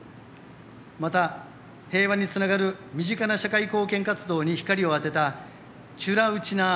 また、平和につながる身近な社会貢献活動に光を当てたちゅらうちなー